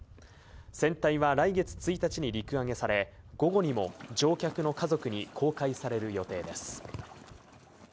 船体は来月１日に陸揚げされ、午後にも乗客の家族に公開される予定です。